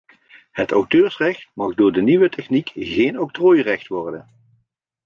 Het auteursrecht mag door de nieuwe techniek geen octrooirecht worden.